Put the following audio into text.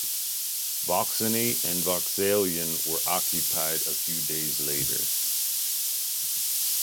Vauxeny and Vauxaillon were occupied a few days later.